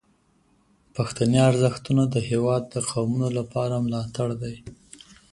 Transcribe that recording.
پښتني ارزښتونه د هیواد د قومونو لپاره ملاتړ دي.